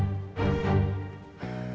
kanility ini banyak banyak pak